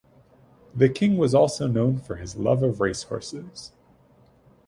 The King was also known for his love of racehorses.